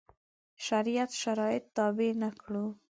شریعت شرایط تابع نه کړو.